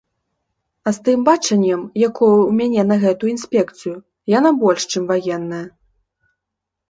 А з тым бачаннем, якое ў мяне на гэтую інспекцыю, яна больш, чым ваенная.